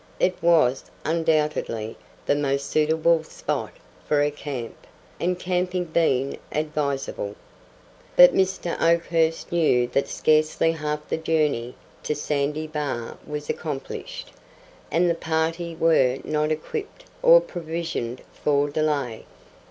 It was, undoubtedly, the most suitable spot for a camp, had camping been advisable. But Mr. Oakhurst knew that scarcely half the journey to Sandy Bar was accomplished, and the party were not equipped or provisioned for delay.